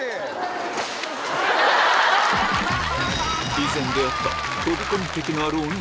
以前出会った墓場！